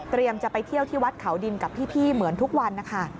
จะไปเที่ยวที่วัดเขาดินกับพี่เหมือนทุกวันนะคะ